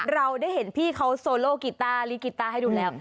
เราได้เห็นพี่เขาโซโลกีต้าลิกิต้าให้ดูแล้ว